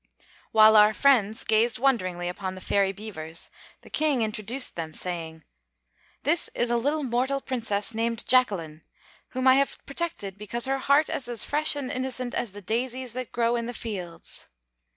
While our friends gazed wonderingly upon the Fairy Beavers, the King introduced them, saying: "This is a little mortal Princess named Jacquelin, whom I have protected because her heart is as fresh and innocent as the daisies that grow in the fields.